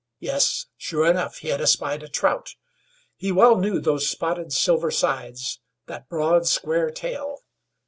Yes, sure enough, he had espied a trout. He well knew those spotted silver sides, that broad, square tail.